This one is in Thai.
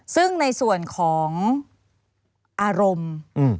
ซึ่งในส่วนของอารมณ์